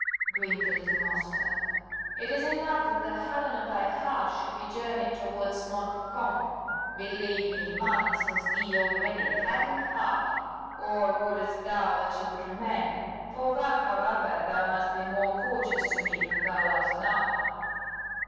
grinned the little Master. "It is enough that the Helen of thy heart should be journeying towards Montfaucon. Believe me, madness has thee already, head and heart. Or wouldest thou that she should remain? For that, however, thou must be more courteous to me than thou art now."